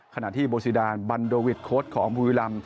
ขณะที่โบซีดานบันโดวิทโค้ดของบุรีรำ